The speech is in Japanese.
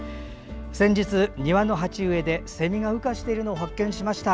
先日、庭の鉢植えで、セミが羽化しているのを発見しました。